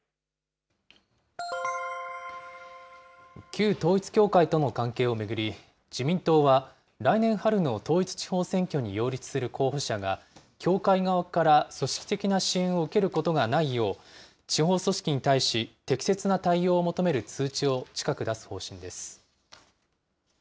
旧統一教会との関係を巡り、自民党は来年春の統一地方選挙に擁立する候補者が、教会側から組織的な支援を受けることがないよう、地方組織に対し、適切な対応を求める通知を近く出す方針です。